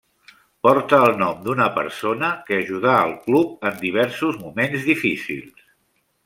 Porta el nom d'una persona que ajudà al club en diversos moments difícils.